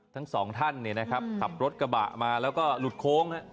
ทั้ง๒ท่านขับรถกระบะมาแล้วก็หลุดโค้ง